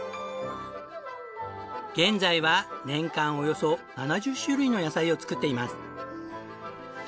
現在は年間およそ７０種類の野菜を作っています。